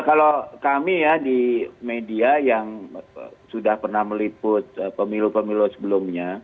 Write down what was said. kalau kami ya di media yang sudah pernah meliput pemilu pemilu sebelumnya